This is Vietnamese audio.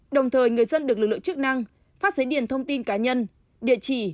đồng thời người dân được lực lượng chức năng phát xấy điền thông tin cá nhân địa chỉ